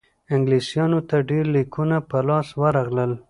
انګلیسیانو ته ډېر لیکونه په لاس ورغلل.